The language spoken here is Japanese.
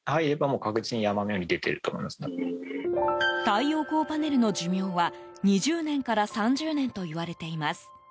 太陽光パネルの寿命は２０年から３０年といわれています。